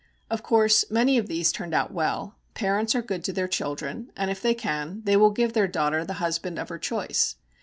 Of course many of these turned out well. Parents are good to their children, and if they can, they will give their daughter the husband of her choice.